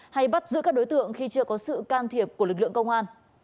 hay bắt giữ các đối tượng khi chưa có sự can thiệp của lực lượng công an